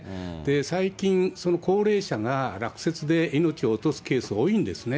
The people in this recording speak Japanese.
最近、その高齢者が落雪で命を落とすケース、多いんですね。